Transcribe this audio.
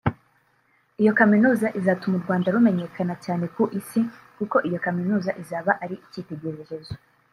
Iyo kaminuza izatuma u Rwanda rumenyekana cyane ku Isi kuko iyo kaminuza izaba ari icyitegererezo